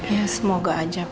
ya semoga aja pak